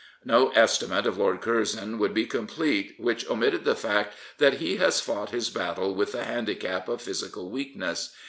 No estimate of Lord Curzon would be complete which omitted the fact that he has fought his battle with the handicap of physical weakness.